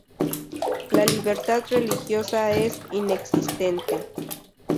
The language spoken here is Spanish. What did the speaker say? La libertad religiosa es inexistente.